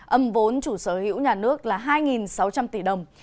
âm vốn chủ sở hữu nhà nước là hai sáu trăm linh tỷ đồng